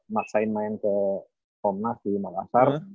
masain main ke pomnas di makassar